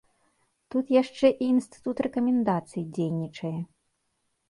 Тут яшчэ і інстытут рэкамендацый дзейнічае.